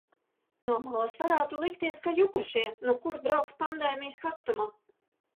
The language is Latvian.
No malas varētu likties, ka jukušie, nu kur braukt pandēmijas karstumā.